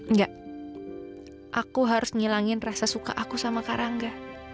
enggak aku harus ngilangin rasa suka aku sama karangga